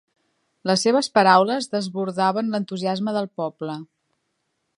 Les seves paraules desbordaven l'entusiasme del poble.